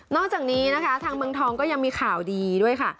อกจากนี้นะคะทางเมืองทองก็ยังมีข่าวดีด้วยค่ะ